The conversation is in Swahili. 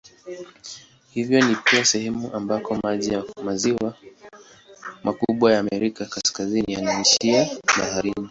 Hivyo ni pia sehemu ambako maji ya maziwa makubwa ya Amerika Kaskazini yanaishia baharini.